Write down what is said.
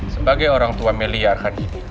sebagai orang tua melearkan ini